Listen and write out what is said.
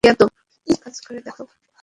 কাজ করে দেখাও।